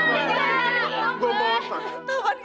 taufan jangan pergi